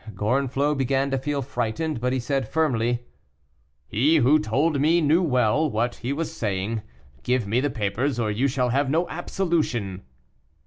Gorenflot began to feel frightened, but he said firmly, "He who told me knew well what he was saying; give me the papers, or you shall have no absolution."